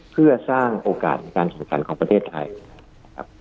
เพื่อสร้างโอกาสในการแข่งขันของประเทศไทยนะครับ